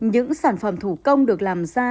những sản phẩm thủ công được làm ra